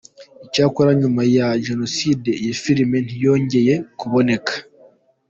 Icyakora nyuma ya Jenoside iyo Filime ntiyongeye kuboneka.